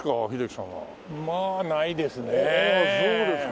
まあないですね。